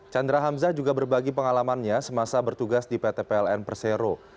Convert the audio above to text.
chandra hamzah juga berbagi pengalamannya semasa bertugas di pt pln persero